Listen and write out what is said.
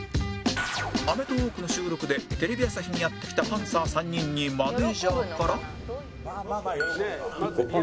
『アメトーーク』の収録でテレビ朝日にやって来たパンサー３人にマネージャーから